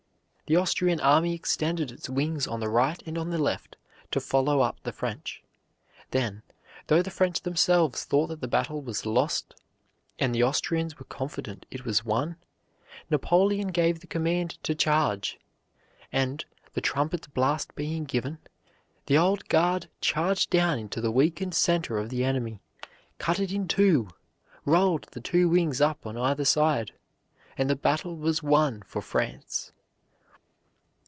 The Austrian army extended its wings on the right and on the left, to follow up the French. Then, though the French themselves thought that the battle was lost, and the Austrians were confident it was won, Napoleon gave the command to charge; and, the trumpet's blast being given, the Old Guard charged down into the weakened center of the enemy, cut it in two, rolled the two wings up on either side, and the battle was won for France.